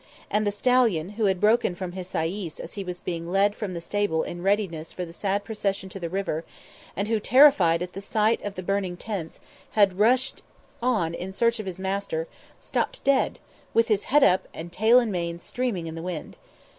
And the stallion, who had broken from his sayis as he was being led from the stable in readiness for the sad procession to the river, and who, terrified at the sight of the burning tents, had rushed on in search of his master, stopped dead, with his head up and tail and mane streaming in the wind.